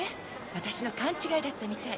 私の勘違いだったみたい。